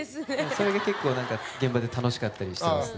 それが結構現場で楽しかったりしてますね